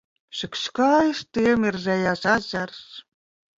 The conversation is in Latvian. Cik skaisti iemirdzējās ezers!